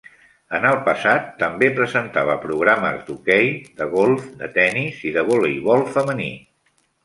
En el passat, també presentava programes d'hoquei, de golf, de tennis i de voleibol femení.